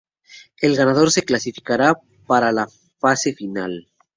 El ganador se clasificará para la Fase Final.